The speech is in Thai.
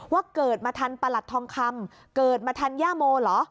เกิดมาทันประหลัดทองคำเกิดมาทันย่าโมเหรอ